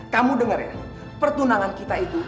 kamu dengar ya pertunangan kita itu